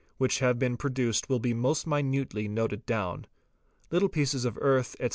which have been produced will be most minutely noted down. Little pieces of earth, etc.